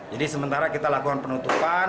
jadi sementara kita lakukan penutupan